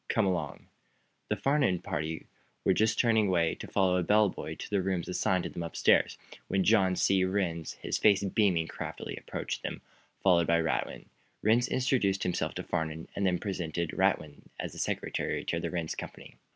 Come along!" The Farnum party were just turning away, to follow a bell boy to the rooms assigned to them upstairs, when John C. Rhinds, his face beaming craftily, approached them, followed by Radwin. Rhinds introduced himself to Farnum, then presented Radwin as secretary to the Rhinds Company.